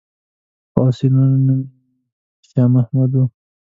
خو اصلي نوم یې شا محمد وو.